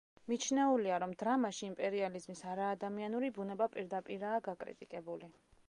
მიჩნეულია, რომ დრამაში იმპერიალიზმის არაადამიანური ბუნება პირდაპირაა გაკრიტიკებული.